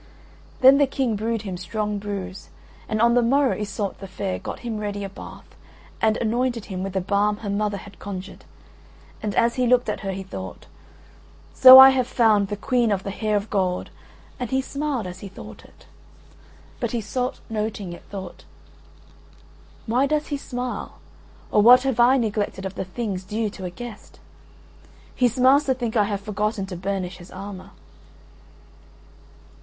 Then the Queen brewed him strong brews, and on the morrow Iseult the Fair got him ready a bath and anointed him with a balm her mother had conjured, and as he looked at her he thought, "So I have found the Queen of the Hair of Gold," and he smiled as he thought it. But Iseult, noting it, thought, "Why does he smile, or what have I neglected of the things due to a guest? He smiles to think I have for— gotten to burnish his armour."